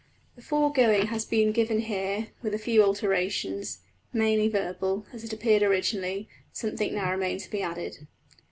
The foregoing has been given here with a few alterations, mainly verbal, as it appeared originally: something now remains to be added.